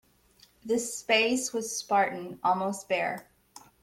The space was spartan, almost bare.